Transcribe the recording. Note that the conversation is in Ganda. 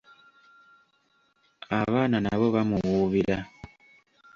Abaana nabo ba muwuubira.